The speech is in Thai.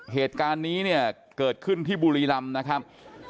เหตุการณ์นี้เนี่ยเกิดขึ้นที่บุรีรำนะครับ